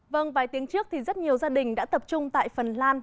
vâng vài tiếng trước thì rất nhiều gia đình đã tập trung tại phần lan